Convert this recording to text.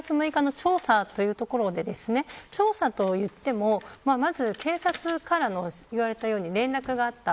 私も、７月６日の調査というところで調査と言っても警察から言われたように連絡があった。